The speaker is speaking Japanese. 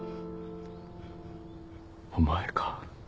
お前か。